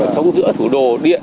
sống giữa thủ đô điện